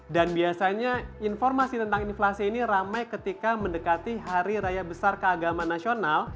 dan biasanya informasi tentang inflasi ini ramai ketika mendekati hari raya besar keagamaan nasional